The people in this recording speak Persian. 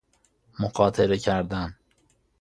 مخاطره کردن